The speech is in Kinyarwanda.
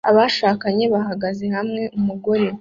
Abashakanye bahagaze hamwe umugore